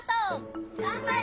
がんばれ！